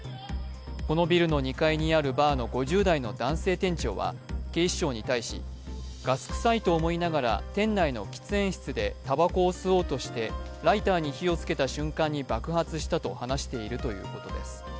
このビルの２階にあるバーの５０代の男性店長は、警視庁に対しガスくさいと思いながら、店内の喫煙室でたばこを吸おうとしてライターに火を付けた瞬間に爆発したと話しているということです。